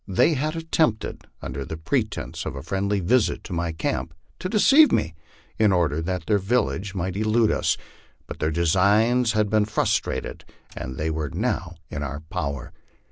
They had attempted, under pretence of a friendly visit to my camp, to deceive me, in order that their village might elude us, but their designs had been frustrated, and they were now in em power.